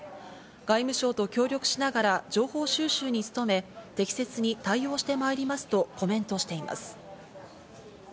外務省と協力しながら情報収集に努め、適切に対応してまいりますとコメントしています。